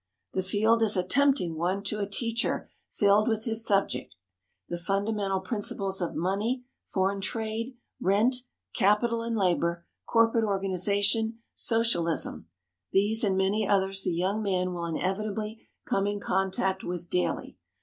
The field is a tempting one to a teacher filled with his subject: the fundamental principles of money, foreign trade, rent, capital and labor, corporate organization, socialism, these and many others the young man will inevitably come in contact with daily.